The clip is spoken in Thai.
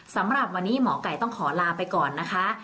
สำหรับวันนี้หมอไก่ต้องขอลาไปก่อนนะคะ